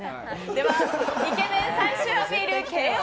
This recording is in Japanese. ではイケメン最終アピールＫＯ